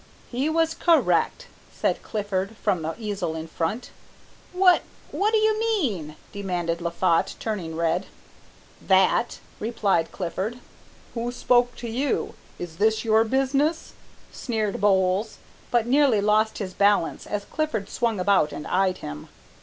"He was correct," said Clifford from his easel in front. "What what do you mean?" demanded Laffat, turning red. "That," replied Clifford. "Who spoke to you? Is this your business?" sneered Bowles, but nearly lost his balance as Clifford swung about and eyed him.